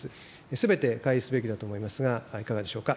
すべて開示すべきだと思いますが、いかがでしょうか。